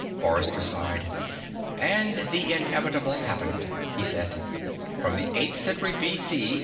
Forrester sighed. "And the inevitable happened," he said. "From the eighth century B.C.